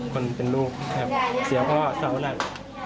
คนเป็นลูกของกันครับเสียพ่อเศร้าหลัก